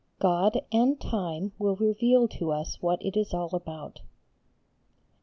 God and time will reveal to us what it is all about.